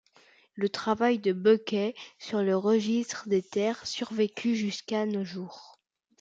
Le travail de Becquet sur le registre des terres survécut jusqu'à nos jours.